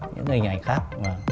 những hình ảnh khác